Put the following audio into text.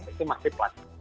itu masih plat